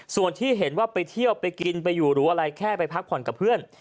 ส่วนที่เห็นว่าไปเที่ยวไปกินไปอยู่หรืออะไรแค่ไปพักผ่อนกับเพื่อน